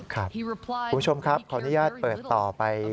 คุณผู้ชมครับขออนุญาตเปิดต่อไป